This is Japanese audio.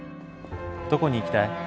どこに行きたい？